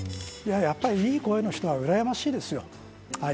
やっぱりいい声の人はうらやましいですよ。